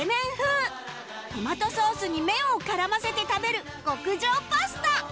トマトソースに麺を絡ませて食べる極上パスタ